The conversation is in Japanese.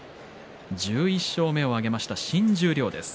１１勝目を挙げました新十両です。